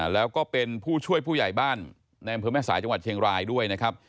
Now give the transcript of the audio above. แล้วก็เป็นผู้ช่วยผู้ใหญ่บ้านในอำเภอแม่สายจังหวัดเชียงรายด้วยนะครับ